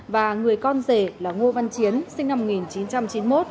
và người con rể là ngô văn chiến sinh năm một nghìn chín trăm chín mươi một